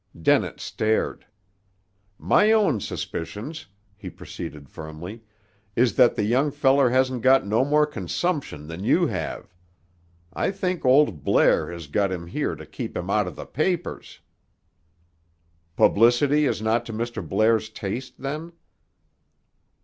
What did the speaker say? Dennett stared. "My own suspicions," he proceeded firmly, "is that the young feller hasn't got no more consumption than you have. I think old Blair has got him here to keep him out of the papers." "Publicity is not to Mr. Blair's taste, then?"